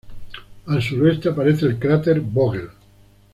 Al suroeste aparece el cráter Vogel.